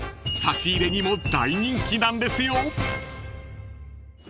［差し入れにも大人気なんですよ］